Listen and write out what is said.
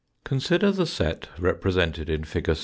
Consider the set represented in fig.